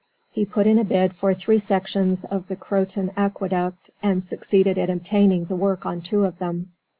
He put in a bid for three sections of the Croton Aqueduct, and succeeded in obtaining the work on two of them.